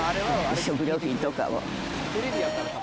食料品とかも。